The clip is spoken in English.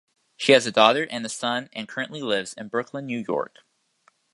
She has a daughter and a son and currently lives in Brooklyn, New York.